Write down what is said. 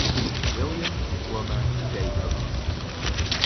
William Plumer Jacobs.